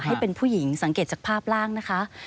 ให้เป็นผู้หญิงสังเกตจากภาพร่างนะคะ